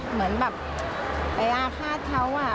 เหมือนแบบไปอาฆาตเขา